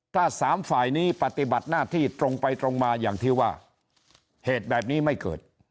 ถ้าสามฝ่ายนี้ปฏิบัติหน้าที่ตรงไปตรงมาอย่างที่ว่าเหตุแบบนี้ไม่เกิด